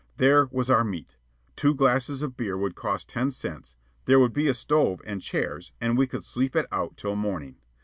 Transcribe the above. There was our meat. Two glasses of beer would cost ten cents, there would be a stove and chairs, and we could sleep it out till morning.